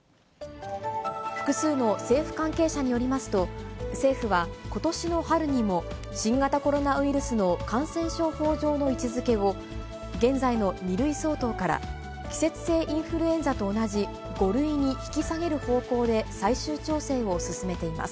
複数の政府関係者によりますと、政府はことしの春にも、新型コロナウイルスの感染症法上の位置づけを、現在の２類相当から、季節性インフルエンザと同じ５類に引き下げる方向で最終調整を進めています。